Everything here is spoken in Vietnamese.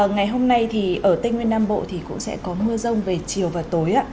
ngày hôm nay thì ở tây nguyên nam bộ thì cũng sẽ có mưa rông về chiều và tối